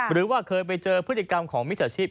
หรือว่าเคยไปเจอพฤติกรรมของมิจฉาชีพ